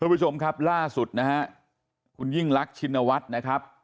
คุณผู้ชมครับล่าสุดนะฮะคุณยิ่งรักชินวัฒน์นะครับ